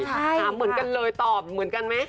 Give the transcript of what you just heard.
ถามเหมือนกันเลยตอบเหมือนกันไหม